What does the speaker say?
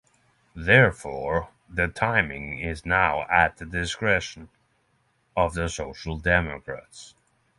Therefore, the timing is now at the discretion of the Social Democrats.